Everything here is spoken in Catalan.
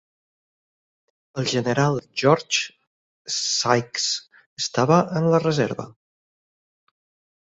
El general George Sykes estava en la reserva.